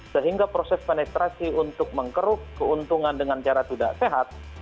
sehingga proses penetrasi untuk mengkeruk keuntungan dengan cara tidak sehat